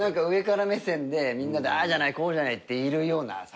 上から目線でみんなでああじゃないこうじゃないって言えるような。